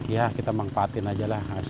ya kita manfaatin aja lah